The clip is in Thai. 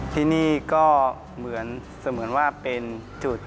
ที่นี่ก็เหมือนเสมือนว่าเป็นจุด